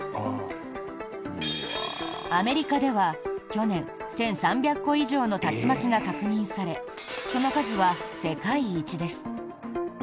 アメリカでは去年１３００個以上の竜巻が確認されその数は世界一です。